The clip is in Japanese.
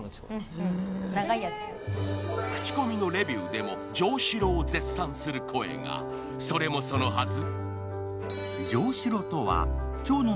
長いやつ口コミのレビューでも上シロを絶賛する声がそれもそのはず